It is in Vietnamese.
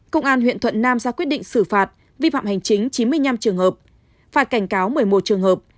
công an huyện thuận nam ra quyết định xử phạt vi phạm hành chính chín mươi năm trường hợp phạt cảnh cáo một mươi một trường hợp